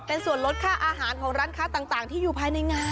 เป็นส่วนลดค่าอาหารของร้านค้าต่างที่อยู่ภายในงาน